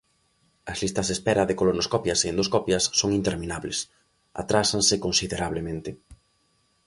As listas de espera de colonoscopias e endoscopias son interminables; atrásanse considerablemente.